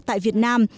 tại việt nam